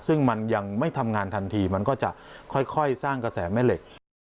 ซึ่งมันยังไม่ทำงานทันทีมันก็จะค่อยสร้างกระแสแม่เหล็กนะครับ